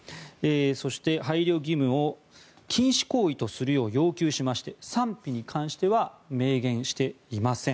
そして、配慮義務を禁止行為とするよう要求しまして賛否に関しては明言していません。